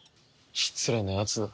失礼なやつだ。